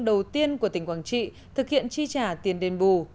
đầu tiên của tỉnh quảng trị thực hiện chi trả tiền đền bù